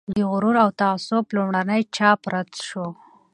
د "غرور او تعصب" لومړنی چاپ رد شو.